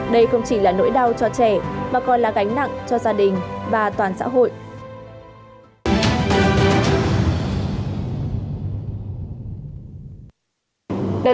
đây không chỉ là nỗi đau cho trẻ mà còn là gánh nặng cho gia đình và toàn xã hội